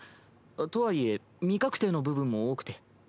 とはいえ未確定の部分も多くて。